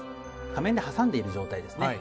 仮面で挟んでいる状態ですね。